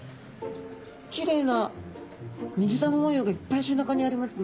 きれいな水玉模様がいっぱい背中にありますね。